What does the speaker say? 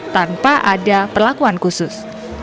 tanpa ada perlakuan khusus